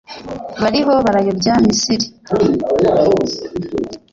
bariho barayobya Misiri,